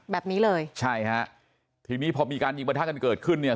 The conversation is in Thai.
แบบนี้เลยใช่ฮะทีนี้พอมีการยิงประทะกันเกิดขึ้นเนี่ย